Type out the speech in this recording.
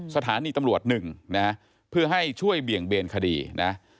สถานีตำรวจหนึ่งนะฮะเพื่อให้ช่วยเบี่ยงเบนคดีนะ